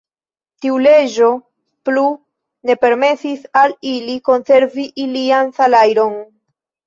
Tiu leĝo plu ne permesis al ili konservi ilian salajron.